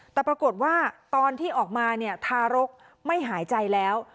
แต่ปรากฏว่าตอนที่ออกมาเนี่ยทารกไม่หายใจแล้ว